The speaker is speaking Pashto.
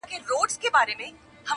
جار دي له حیا سم چي حیا له تا حیا کوي,